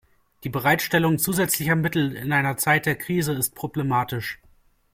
Die Bereitstellung zusätzlicher Mittel in einer Zeit der Krise ist problematisch.